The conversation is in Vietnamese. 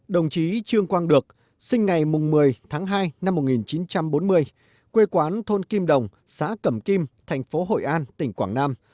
đồng chí trương quang được sinh ngày một mươi tháng hai năm một nghìn chín trăm bốn mươi quê quán thôn kim đồng xã cẩm kim thành phố hội an tỉnh quảng nam